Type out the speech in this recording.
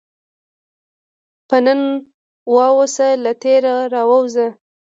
په نن واوسه، له تېر راووځه.